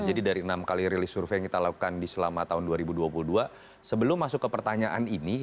jadi dari enam kali rilis survei yang kita lakukan di selama tahun dua ribu dua puluh dua sebelum masuk ke pertanyaan ini